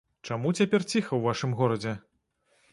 Чаму цяпер ціха ў вашым горадзе?